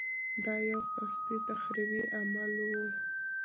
دا یو قصدي تخریبي عمل و.